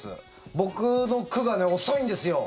僕の区が遅いんですよ。